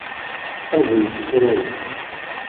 A bu ifexruren!